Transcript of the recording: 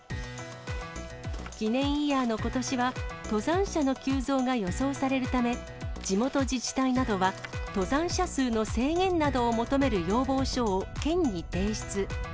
記念イヤーのことしは、登山者の急増が予想されるため、地元自治体などは登山者数の制限などを求める要望書を県に提出。